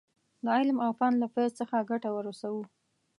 د علم او فن له فیض څخه ګټه ورسوو.